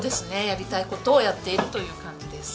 やりたい事をやっているという感じです。